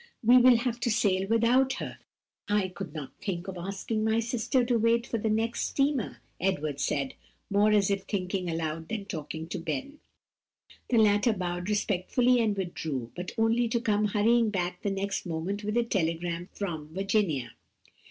"We will have to sail without her. I could not think of asking my sister to wait for the next steamer," Edward said, more as if thinking aloud than talking to Ben. The latter bowed respectfully and withdrew, but only to come hurrying back the next moment with a telegram from Virginia.